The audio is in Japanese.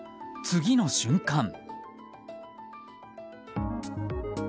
次の瞬間。